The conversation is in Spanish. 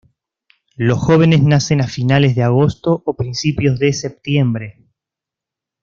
Los jóvenes nacen a finales de agosto o principios de septiembre.